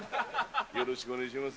よろしくお願いします。